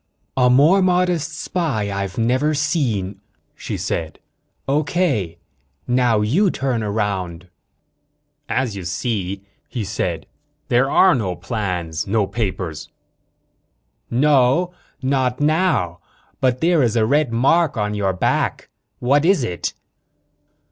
"A more modest spy I've never seen. Okay," she said, "now you turn around." "As you see," he said, "there are no plans no papers." "No not now. But there is a red mark on your back. What is it?"